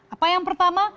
apa yang pertama